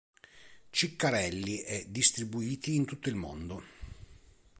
Ciccarelli e distribuiti in tutto il mondo.